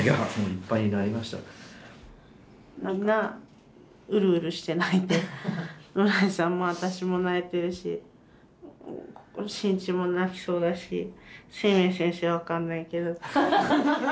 みんなうるうるして泣いて村井さんも私も泣いてるし伸一も泣きそうだしすいめい先生は分かんないけど。